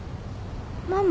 ママ？